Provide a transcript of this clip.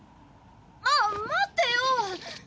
あっ待ってよ！